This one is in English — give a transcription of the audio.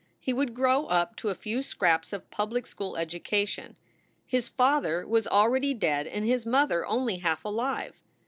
He would grow up to a few scraps of public school education. His father was already dead and his mother only half alive.